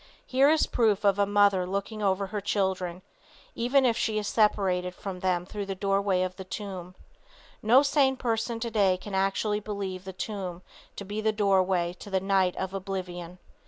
Here is proof of a mother looking over her children, even if she is separated from them through the doorway of the tomb. No sane person today can actually believe the tomb to be the doorway to the night of oblivion.